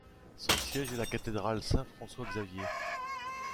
Son siège est la Cathédrale Saint François-Xavier.